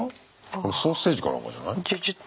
これソーセージかなんかじゃない？